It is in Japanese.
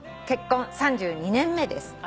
結婚３２年目です」